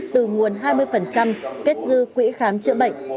từ nguồn hai mươi kết dư quỹ khám chữa bệnh